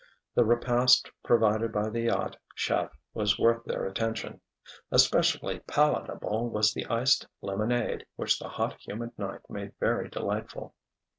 The repast provided by the yacht chef was worth their attention. Especially palatable was the iced lemonade which the hot, humid night made very delightful.